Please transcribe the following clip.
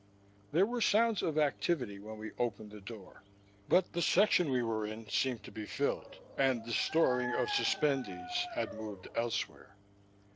There were sounds of activity when we opened the door, but the section we were in seemed to be filled, and the storing of suspendees had moved elsewhere.